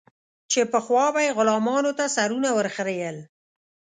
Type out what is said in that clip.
چې پخوا به یې غلامانو ته سرونه ور خرئېل.